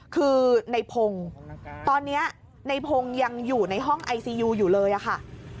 คือในพงศ์ตอนนี้ในพงศ์ยังอยู่ในห้องไอซียูอยู่เลยอะค่ะ